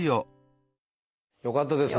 よかったですね。